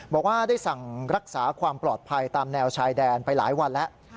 บอกว่าได้สั่งรักษาความปลอดภัยตามแนวชายแดนไปหลายวันแล้ว